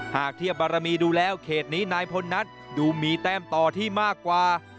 หากเทียบบารมีดูแล้วเขตนี้นายพลนัทดูมีแต้มต่อที่มากกว่า